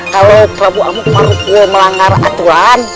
kalau prabu amuk melanggar aturan